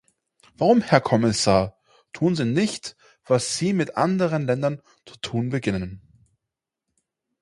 Warum, Herr Kommissar, tun Sie nicht, was Sie mit anderen Ländern zu tun beginnen?